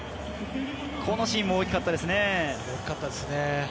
このシーンも大きかったですね。